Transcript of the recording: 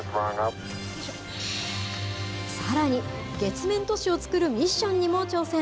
さらに月面都市を造るミッションにも挑戦。